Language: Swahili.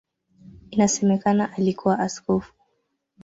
Inasemekana alikuwa askofu.